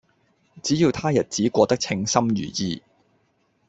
只要他日子過得稱心如意